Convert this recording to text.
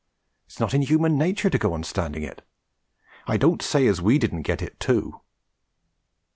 It's not in human nature to go on standing it. I don't say as we didn't get it too....'